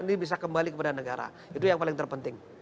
ini bisa kembali kepada negara itu yang paling terpenting